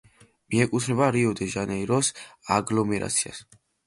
მიეკუთვნება რიო-დე-ჟანეიროს აგლომერაციას.